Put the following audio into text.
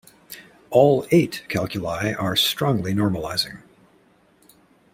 All eight calculi are strongly normalizing.